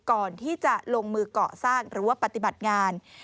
ก่อนที่จะลงมือเกาะสร้างหรือว่าปฏิบัติงาน